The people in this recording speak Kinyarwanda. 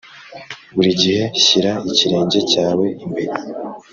buri gihe shyira ikirenge cyawe imbere.